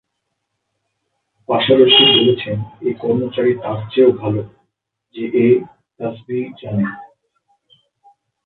পাশাপাশি বলেছেন এ কর্মচারী তার চেয়েও ভাল, যে এ তাসবীহ জানে।